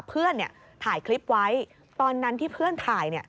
เพื่อนเนี่ยถ่ายคลิปไว้ตอนนั้นที่เพื่อนถ่าย